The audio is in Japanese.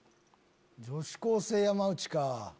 女子高生山内か。